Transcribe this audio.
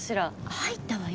入ったわよ！